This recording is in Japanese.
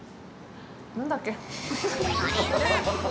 何だっけ。